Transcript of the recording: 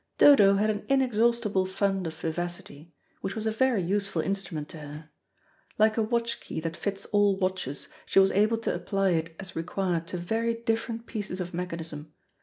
Dodo had an inexhaustible fund of vivacity, which was a very useful instrument to her; like a watch key that fits all watches, she was able to apply it as required to very different pieces of mechanism.